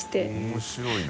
面白いな。